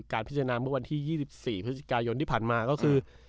พิจารณาเมื่อวันที่๒๔พฤศจิกายนที่ผ่านมาก็คือ